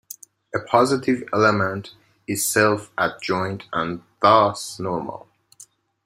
A positive element is self-adjoint and thus normal.